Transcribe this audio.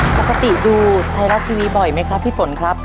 ปกติดูไทยรัฐทีวีบ่อยไหมครับพี่ฝนครับ